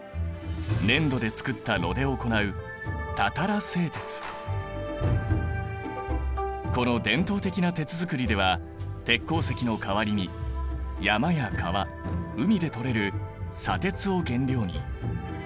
粘土で作った炉で行うこの伝統的な鉄づくりでは鉄鉱石の代わりに山や川海でとれる砂鉄を原料に。